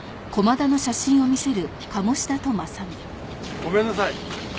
ごめんなさい。